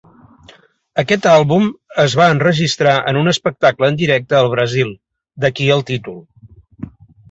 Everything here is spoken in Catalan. Aquest àlbum es va enregistrar en un espectacle en directe al Brasil, d'aquí el títol.